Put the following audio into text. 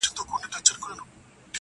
مرور نصیب به هله ورپخلا سي!!